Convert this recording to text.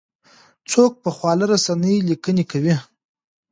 څوک په خواله رسنیو لیکنې کوي؟